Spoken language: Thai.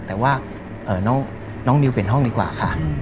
แต่ว่าน้องนิวเปลี่ยนห้องดีกว่าค่ะ